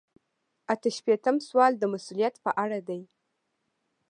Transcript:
اته شپیتم سوال د مسؤلیت په اړه دی.